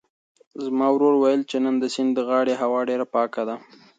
زما ورور وویل چې نن د سیند د غاړې هوا ډېره پاکه ده.